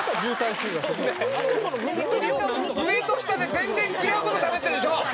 上と下で全然違う事しゃべってるでしょ？